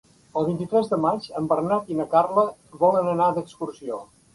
El vint-i-tres de maig en Bernat i na Carla volen anar d'excursió.